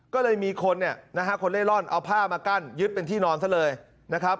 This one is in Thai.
ก็เลยมีคนเนี่ยนะฮะคนเล่นร่อนเอาผ้ามากั้นยึดเป็นที่นอนซะเลยนะครับ